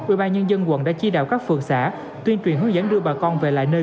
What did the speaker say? ủy ban nhân dân quận đã chi đạo các phường xã tuyên truyền hướng dẫn đưa bà con về lại nơi